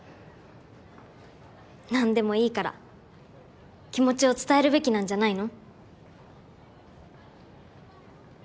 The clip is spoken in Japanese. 何でもいいから気持ちを伝えるべきなんじゃないの？